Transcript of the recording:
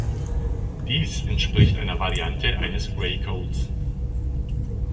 Dies entspricht einer Variante eines Gray-Codes.